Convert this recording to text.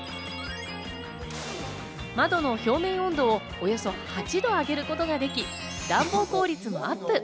窓の表面温度をおよそ８度上げることができ、暖房効率もアップ。